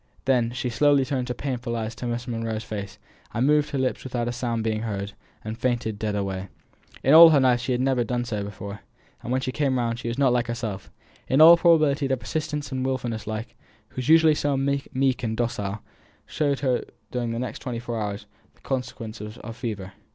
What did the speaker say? Then she slowly turned her painful eyes upon Miss Monro's face, and moved her lips without a sound being heard, and fainted dead away. In all her life she had never done so before, and when she came round she was not like herself; in all probability the persistence and wilfulness she, who was usually so meek and docile, showed during the next twenty four hours, was the consequence of fever.